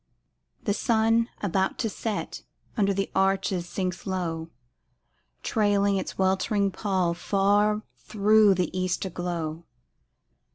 The sun, about to set, under the arch sinks low, Trailing its weltering pall far through the East aglow.